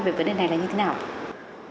về vấn đề này là như thế nào